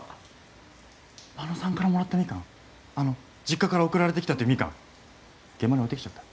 あ真野さんからもらったミカンあの実家から送られてきたってミカン現場に置いてきちゃった。